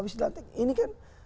abis dilantik ini kan